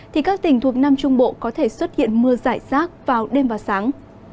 thì các tỉnh thuộc nam trung bộ có thể xuất hiện mưa rải rác vào đêm và sáng